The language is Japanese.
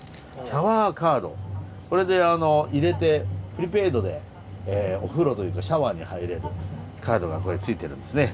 これであの入れてプリペイドでお風呂というかシャワーに入れるカードがついてるんですね。